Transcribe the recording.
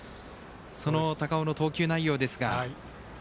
その高尾の投球内容ですが。